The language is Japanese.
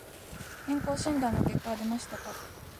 健康診断の結果は出ましたか。